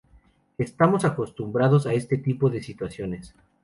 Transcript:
Estamos acostumbrados a este tipo de situaciones".